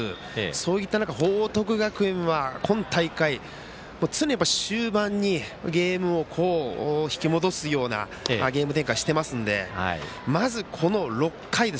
そういった中報徳学園は今大会常に終盤にゲームを引き戻すようなゲーム展開をしていますのでまず、この６回。